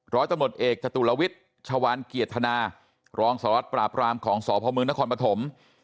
ร้อยตำรวจเอกจตุลวิทย์ชาวานเกียรติธนารองสารวัตรปราบรามของสพมนครปฐม